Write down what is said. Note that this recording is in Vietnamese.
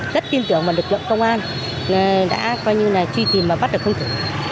rất tin tưởng vào lực lượng công an đã coi như là truy tìm và bắt được không thể